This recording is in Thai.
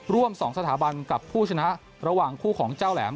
ร่วม๒สถาบันกับผู้ชนะระหว่างคู่ของเจ้าแหลม